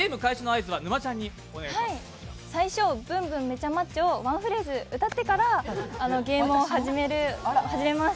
最初「ＢｏｏｍＢｏｏｍめっちゃマッチョ！」を１フレーズ歌ってからゲームを始めます。